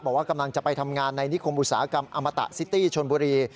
บอกว่ากำลังจะไปทำงานในนิคมอุตสาหกรรมอมตะซิตี้ชนบุรี